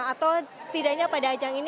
atau setidaknya pada ajang ini